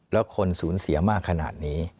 แล้วคนสูญเสียมากขนาดนี้